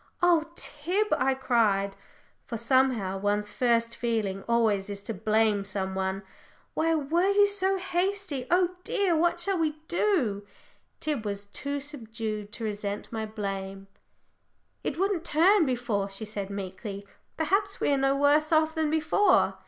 "Oh, Tib!" I cried, for somehow one's first feeling always is to blame some one, "why were you so hasty? Oh dear! what shall we do?" Tib was too subdued to resent my blame. "It wouldn't turn before," she said meekly. "Perhaps we are no worse off than before."